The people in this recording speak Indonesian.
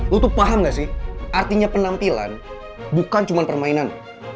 lutut paham gak sih artinya penampilan bukan cuma permainan